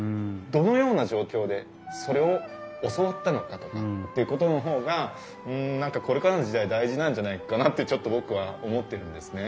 どのような状況でそれを教わったのかとかっていうことの方が何かこれからの時代大事なんじゃないかなってちょっと僕は思ってるんですね。